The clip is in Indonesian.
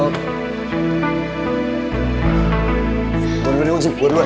gue beli langsung gue beli